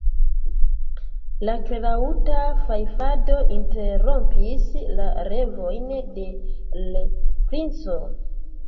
Akrelaŭta fajfado interrompis la revojn de l' princo.